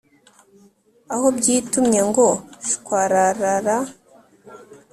Aho byitumye ngo shwararara